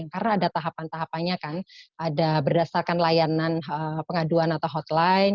karena ada tahapan tahapannya kan ada berdasarkan layanan pengaduan atau hotline